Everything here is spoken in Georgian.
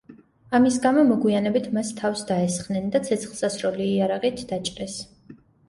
ამის გამო მოგვიანებით მას თავს დაესხნენ და ცეცხლსასროლი იარაღით დაჭრეს.